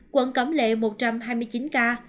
quận cấm lệ một trăm hai mươi chín ca